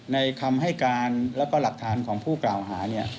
คำให้การแล้วก็หลักฐานของผู้กล่าวหาเนี่ย